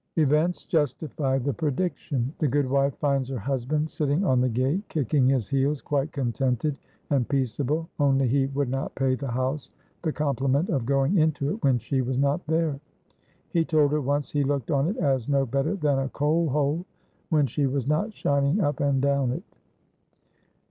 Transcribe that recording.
Events justify the prediction. The good wife finds her husband sitting on the gate kicking his heels quite contented and peaceable, only he would not pay the house the compliment of going into it when she was not there. He told her once he looked on it as no better than a coal hole when she was not shining up and down it.